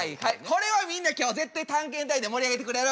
これをみんな今日絶対探検隊で盛り上げてくれる？